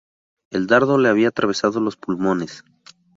El dardo le había atravesado los pulmones.